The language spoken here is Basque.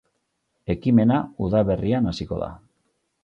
Ekimena udaberrian hasiko da.